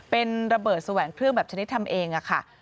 เป็นระเบิดแสวงเครื่องแบบชนิดทำเองค่ะ